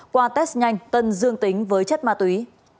qua test nhanh tân dương tính với chất ma túy